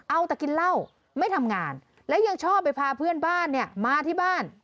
เอาแต่กินเหล้าไม่ทำงานและยังชอบไปพาเพื่อนบ้านเนี่ยมาที่บ้าน